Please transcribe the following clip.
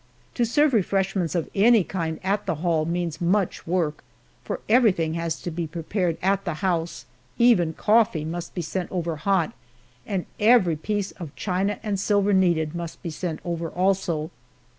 To serve refreshments of any kind at the hall means much work, for everything has to be prepared at the house even coffee, must be sent over hot; and every piece of china and silver needed must be sent over also.